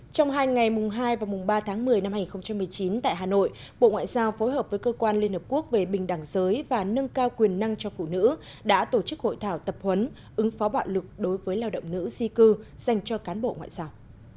trong hai ngày mùng hai và mùng ba tháng một mươi năm hai nghìn một mươi chín tại hà nội bộ ngoại giao phối hợp với cơ quan liên hợp quốc về bình đẳng giới và nâng cao quyền năng cho phụ nữ đã tổ chức hội thảo tập huấn ứng phó bạo lực đối với lao động nữ di cư dành cho cán bộ ngoại giao